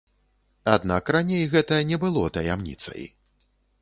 Аднак раней гэта не было таямніцай.